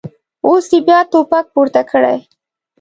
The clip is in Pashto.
اوس یې بیا ټوپک پورته کړی.